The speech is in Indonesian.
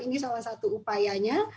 ini salah satu upayanya